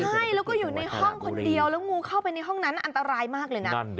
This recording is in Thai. ไงก็อยู่ในห้องคนเดียวงูเข้าไปในห้องนั้นอันตรายมากเลยนั้น